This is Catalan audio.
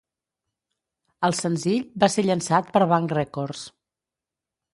El senzill va ser llançat per Bang Records.